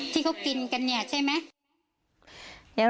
ที่เขากินกันเนี่ยใช่ไหม